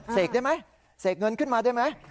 เสกได้ไหมเสกเงินขึ้นมาได้ไหม